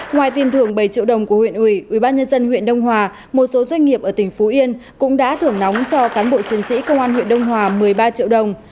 ngoài tiền thưởng bảy triệu đồng của huyện ủy ubnd huyện đông hòa một số doanh nghiệp ở tỉnh phú yên cũng đã thưởng nóng cho cán bộ chiến sĩ công an huyện đông hòa một mươi ba triệu đồng